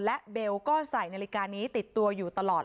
และเบลก็ใส่นาฬิกานี้ติดตัวอยู่ตลอด